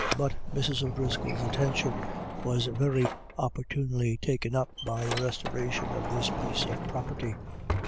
But Mrs. O'Driscoll's attention was very oppor tunely taken up by the restoration of this piece of property.